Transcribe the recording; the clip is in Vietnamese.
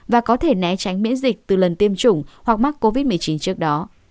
và có thể né tránh miễn dịch từ lần tiêm chủng hoặc mắc covid một mươi chín trước đó